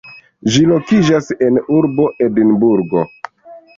Ĝi lokiĝas en urbo Edinburgo.